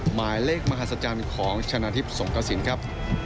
หมายเลขมหัศจรรย์ของชนะทิพย์สงกระสินครับ